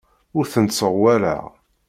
Ur tent-sserwaleɣ.